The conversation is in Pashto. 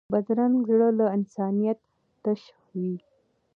بدرنګه زړه له انسانیت تش وي